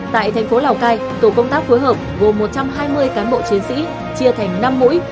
tại thành phố lào cai tổ công tác phối hợp gồm một trăm hai mươi cán bộ chiến sĩ chia thành năm mũi